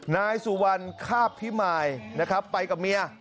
นายสุวรรณคาบพิมายนะครับไปกับเมีย